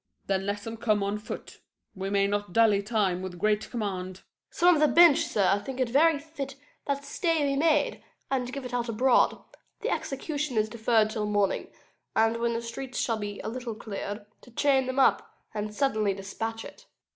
SHERIFF. Then let them come on foot; We may not dally time with great command. OFFICER. Some of the bench, sir, think it very fit That stay be made, and give it out abroad The execution is deferred till morning, And, when the streets shall be a little cleared, To chain them up, and suddenly dispatch it.